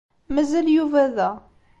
Mazal Yuba da.